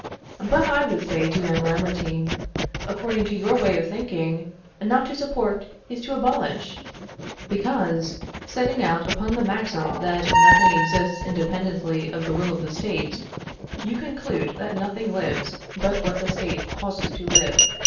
But I would say to M. Lamartine, According to your way of thinking, not to support is to abolish; because, setting out upon the maxim that nothing exists independently of the will of the State, you conclude that nothing lives but what the State causes to live.